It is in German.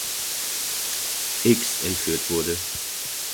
X" entführt wurde.